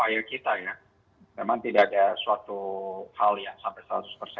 jadi memang ini menjadi salah satu upaya kita ya